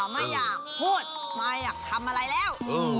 ไม่อยากพูดไม่อยากทำอะไรแล้ว